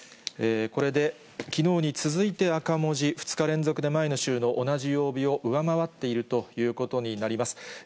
これできのうに続いて赤文字、２日連続で前の週の同じ曜日を上回っているということになります。